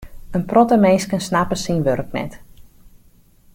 In protte minsken snappe syn wurk net.